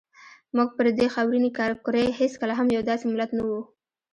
موږ پر دې خاورینې کرې هېڅکله هم یو داسې ملت نه وو.